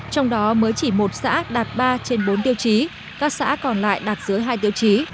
trong đó mới chỉ một xã đạt ba trên bốn tiêu chí các xã còn lại đạt dưới hai tiêu chí